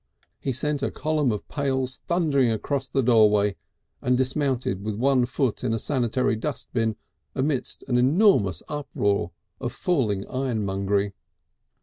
He sent a column of pails thundering across the doorway and dismounted with one foot in a sanitary dustbin amidst an enormous uproar of falling ironmongery.